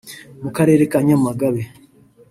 mu Karere ka Nyamagabe